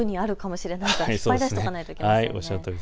引っ張り出しておかないといけないですね。